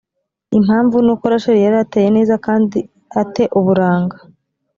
impamvu ni uko rasheli yari ateye neza kandi a te uburanga